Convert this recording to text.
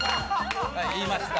はい言いました。